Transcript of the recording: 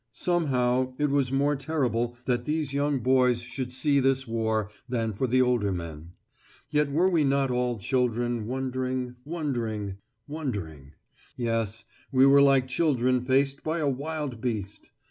Somehow it was more terrible that these young boys should see this war, than for the older men. Yet were we not all children wondering, wondering, wondering?... Yes, we were like children faced by a wild beast.